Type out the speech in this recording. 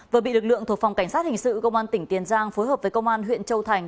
vừa bị lực lượng thuộc phòng cảnh sát hình sự công an tỉnh tiền giang phối hợp với công an huyện châu thành